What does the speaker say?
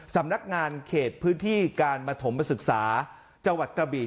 สำนักงานเขตพื้นที่การปฐมศึกษาจังหวัดกระบี